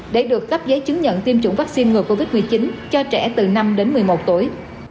để được cấp giấy chứng nhận tiêm chủng vaccine ngừa covid một mươi chín cho trẻ từ năm đến một mươi một tuổi